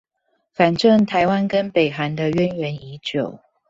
反正台灣跟北韓的淵源已久